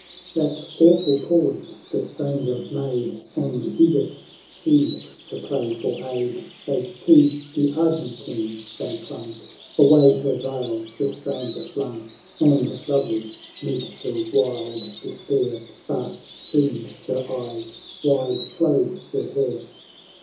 That awful pause the stranger maid, And Edith, seized to pray for aid. As to De Argentine they clung, Away her veil the stranger flung, And, lovely 'mid her wild despair, ' Fast streamed her eyes, wide flowed her hair.